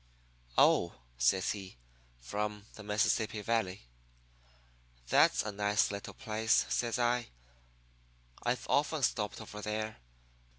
"'Oh,' says he, 'from the Mississippi Valley.' "'That's a nice little place,' says I. 'I've often stopped over there.